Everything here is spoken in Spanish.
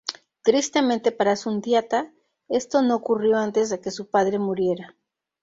Tristemente para Sundiata, esto no ocurrió antes de que su padre muriera.